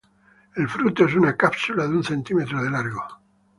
El fruto es una cápsula de un centímetro de largo.